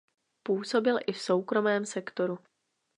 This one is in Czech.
Působil i v soukromém sektoru.